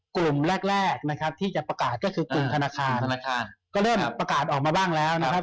กลุ่มแรกแรกนะครับที่จะประกาศก็คือกลุ่มธนาคารก็เริ่มประกาศออกมาบ้างแล้วนะครับ